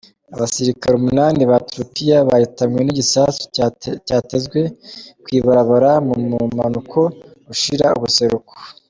Abasirikare umunani ba Turkiya bahitanywe n'igisasu catezwe kw'ibarabara mu bumanuko bushira ubuseruko.